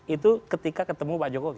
itu ketika ketemu pak jokowi